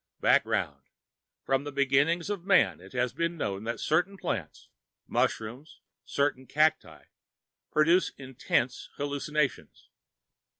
Background: From the beginnings of Man, it had been known that certain plants mushrooms, certain cacti produced intense hallucinations.